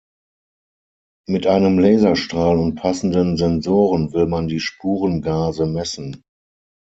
Mit einem Laserstrahl und passenden Sensoren will man die Spurengase messen.